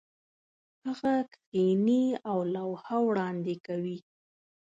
هغه کښېني او لوحه وړاندې کوي.